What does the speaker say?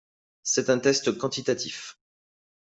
C'est un test quantitatif.